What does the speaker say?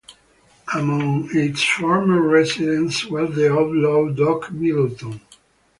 Among its former residents was the outlaw Doc Middleton.